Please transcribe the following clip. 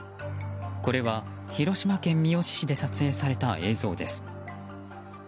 これは広島県三次市で撮影された映像です。